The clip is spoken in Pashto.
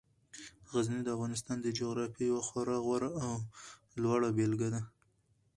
غزني د افغانستان د جغرافیې یوه خورا غوره او لوړه بېلګه ده.